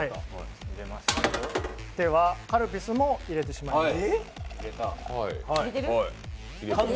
では、カルピスも入れてしまいます。